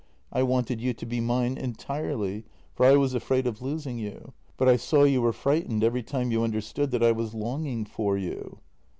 I wanted you to be mine entirely, for I was afraid of losing you, but I saw you were frightened every time you understood that I was longing for you."